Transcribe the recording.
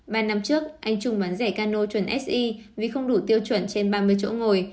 ba năm trước anh trung bán rẻ cano chuẩn sx vì không đủ tiêu chuẩn trên ba mươi chỗ ngồi